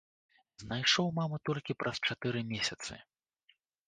Знайшоў маму толькі праз чатыры месяцы.